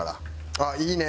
ああいいね！